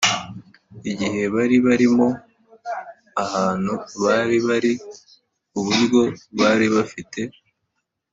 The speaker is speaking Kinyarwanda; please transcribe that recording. Igihe bari barimo, ahantu bari bari, uburyo bari bafite,